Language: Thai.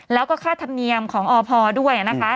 แล้วก็ค่าธรรมเนียมของอพด้วยนะคะ